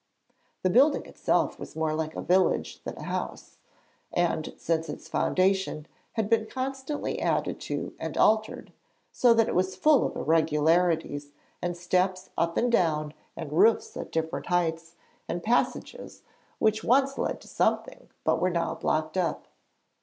The building itself was more like a village than a house, and, since its foundation, had been constantly added to and altered, so that it was full of irregularities and steps up and down and roofs at different heights, and passages which once led to something but were now blocked up.